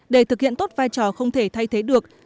để thực hiện tốt vai trò không thể thay thế được